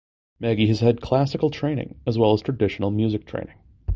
Maggie has had classical training as well as traditional music training.